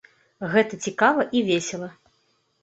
Гэта цікава і весела.